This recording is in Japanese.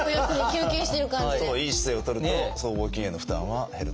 いい姿勢をとると僧帽筋への負担は減ると。